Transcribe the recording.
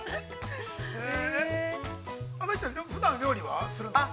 ◆朝日ちゃん、ふだん料理はするんですか。